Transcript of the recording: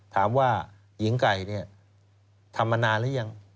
ถามว่าหญิงไก่เนี่ยทำมานานหรือยัง